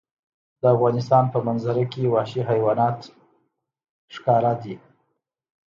د افغانستان په منظره کې وحشي حیوانات ښکاره ده.